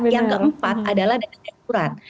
yang keempat adalah dana asuransi